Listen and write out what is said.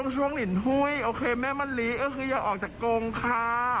ช่วงหลิ่นหุ้ยแม่มันลีอย่าออกจากกรงค่ะ